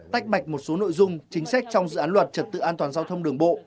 tách bạch một số nội dung chính sách trong dự án luật trật tự an toàn giao thông đường bộ